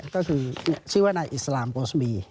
ก็คือชื่อว่านายอิสลามโบสมี